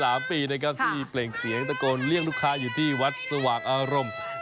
อายุ๔๓ปีที่เปล่งเสียงตะโกนเรียกลูกค้าอยู่ที่วัสซวากอารมณ์